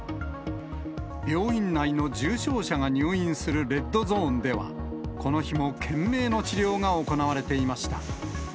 病院内の重症者が入院するレッドゾーンではこの日も懸命の治療が行われていました。